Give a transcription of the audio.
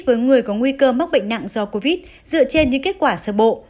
với người có nguy cơ mắc bệnh nặng do covid dựa trên những kết quả sơ bộ